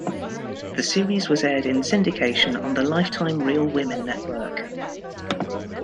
The series was aired in syndication on the Lifetime Real Women network.